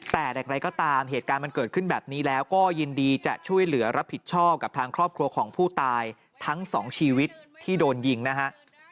แต่อย่างไรก็ตามเหตุการณ์มันเกิดขึ้นแบบนี้แล้วก็ยินดีจะช่วยเหลือรับผิดชอบกับทางครอบครัวของผู้ตายทั้งสองชีวิตที่โดนยิงนะฮะ